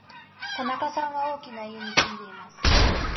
田中さんは大きな家に住んでいます。